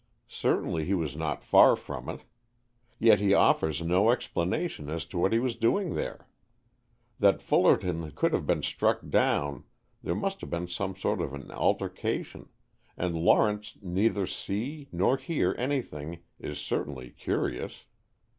Certainly he was not far from it. Yet he offers no explanation as to what he was doing there. That Fullerton could have been struck down there must have been some sort of an altercation and Lawrence neither see nor hear anything, is certainly curious.